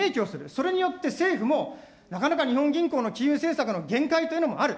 それによって政府もなかなか日本銀行の金融政策の限界というのもある。